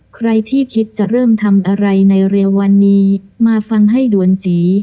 ใครที่คิดจะเริ่มทำอะไรในเร็ววันนี้มาฟังให้ด่วนจี